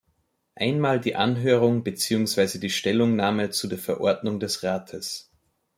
Einmal die Anhörung beziehungsweise die Stellungnahme zu der Verordnung des Rates.